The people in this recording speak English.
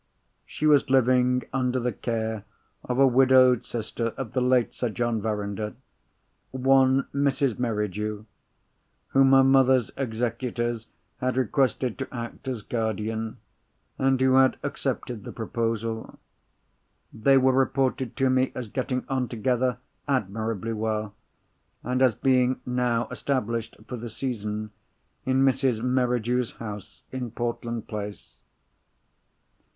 She was living under the care of a widowed sister of the late Sir John Verinder—one Mrs. Merridew—whom her mother's executors had requested to act as guardian, and who had accepted the proposal. They were reported to me as getting on together admirably well, and as being now established, for the season, in Mrs. Merridew's house in Portland Place.